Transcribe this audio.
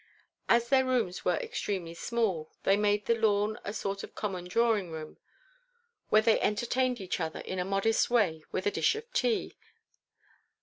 As their rooms were extremely small, they made the lawn a sort of common drawing room, where they entertained each other in a modest way with a dish of tea.